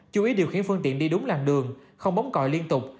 chú ý điều khiển phương tiện đi đúng làng đường không bóng còi liên tục